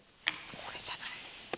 これじゃない。